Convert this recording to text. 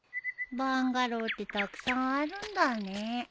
バンガローってたくさんあるんだねえ。